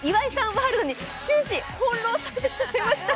ワールドに終始翻弄されてしまいました。